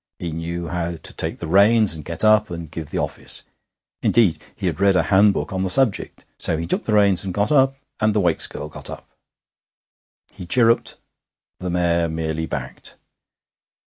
He knew how to take the reins, and get up, and give the office; indeed, he had read a handbook on the subject. So he rook the reins and got up, and the Wakes girl got up. He chirruped. The mare merely backed.